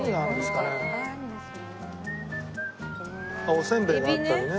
おせんべいがあったりね。